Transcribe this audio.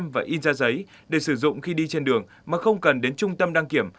và in ra giấy để sử dụng khi đi trên đường mà không cần đến trung tâm đăng kiểm